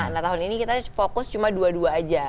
nah tahun ini kita fokus cuma dua dua aja